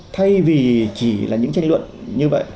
thay vì chỉ là những tranh luận như vậy